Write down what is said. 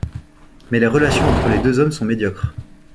Mais les relations entre les deux hommes sont médiocres.